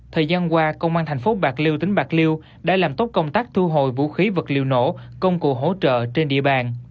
thời gian qua công an thành phố bạc liêu tỉnh bạc liêu đã làm tốt công tác thu hồi vũ khí vật liệu nổ công cụ hỗ trợ trên địa bàn